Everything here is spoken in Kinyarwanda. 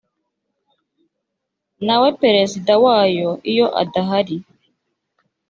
nawe perezida wayo iyo adahari